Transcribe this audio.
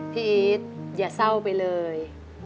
พี่อีทอย่าเศร้าไปเลย